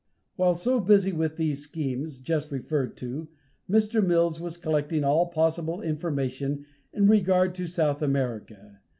While so busy with these schemes just referred to, Mr. Mills was collecting all possible information in regard to South America.